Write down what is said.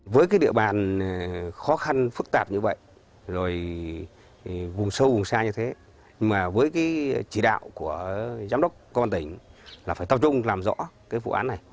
với địa bàn khó khăn phức tạp như vậy vùng sâu vùng xa như thế với chỉ đạo của giám đốc công an tỉnh là phải tập trung làm rõ vụ án này